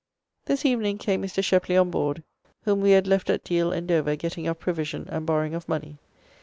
[??] This evening came Mr. Sheply on board, whom we had left at Deal and Dover getting of provision and borrowing of money.